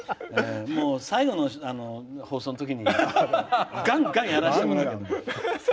最後の放送のときにがんがん、やらせてもらう。